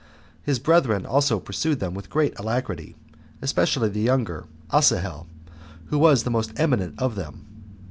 His brethren also pursued them with great alacrity, especially the younger, Asahel, who was the most eminent of them.